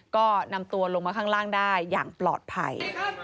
ก็นำตัวลงมาข้างล่างได้อย่างปลอดภัย